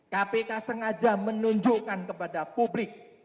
kpk sengaja menunjukkan kepada publik